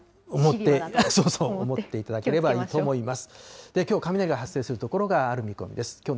思っていただければいいと思います。